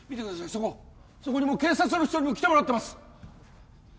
そこそこにもう警察の人にも来てもらってます